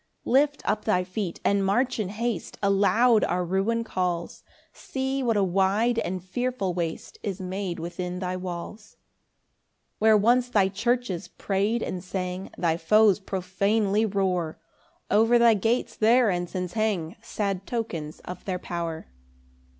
3 Lift up thy feet and march in haste, Aloud our ruin calls; See what a wide and fearful waste Is made within thy walls. 4 Where once thy churches pray'd and sang Thy foes profanely roar; Over thy gates their ensigns hang, Sad tokens of their power.